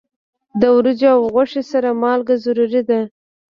د وریجو او غوښې سره مالګه ضروری ده.